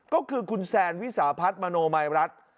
ก็คือคุณแซนวิสาพัฒน์มโนมัยรัฐ